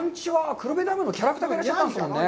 黒部ダムのキャラクターがいらっしゃったんですね。